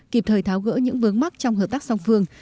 kịp thời tháo gỡ những vướng mắc trong hợp tác song phương